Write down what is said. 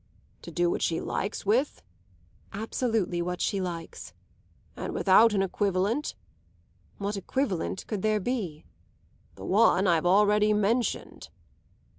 "To do what she likes with?" "Absolutely what she likes." "And without an equivalent?" "What equivalent could there be?" "The one I've already mentioned."